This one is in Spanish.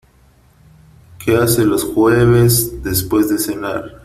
¿Qué haces los jueves después de cenar?